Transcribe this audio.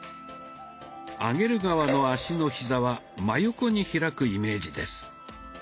上げる側の脚のひざは真横に開くイメージです。